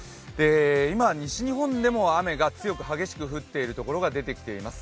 今、西日本でも雨が強く激しく降っているところが出てきています。